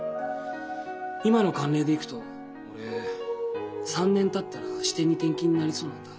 今の慣例でいくと俺３年たったら支店に転勤になりそうなんだ。